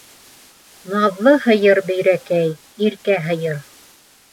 Наҙлы пыйыр Бөйрәкәй, иркә һыйыр.